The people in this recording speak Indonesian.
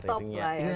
top top lah ya sudah